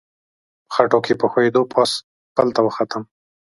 په خټو کې په ښویېدو پاس پل ته وختم.